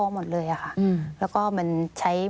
หมดเลยอะค่ะแล้วก็มันใช้